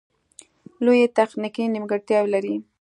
لویې تخنیکې نیمګړتیاوې لري